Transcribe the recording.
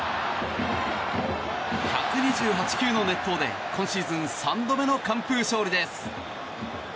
１２８球の熱投で今シーズン３度目の完封勝利です。